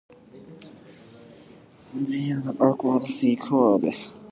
They are the awkward squad.